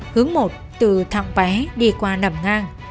hướng một từ thạng bé đi qua nằm ngang